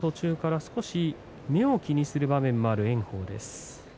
今場所、途中から少し目を気にする場面もある炎鵬です。